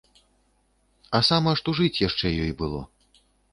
А сама што жыць яшчэ ёй было.